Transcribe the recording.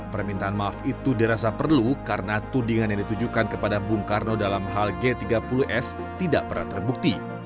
permintaan maaf itu dirasa perlu karena tudingan yang ditujukan kepada bung karno dalam hal g tiga puluh s tidak pernah terbukti